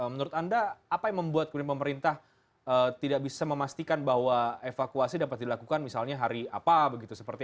menurut anda apa yang membuat pemerintah tidak bisa memastikan bahwa evakuasi dapat dilakukan misalnya hari apa begitu seperti itu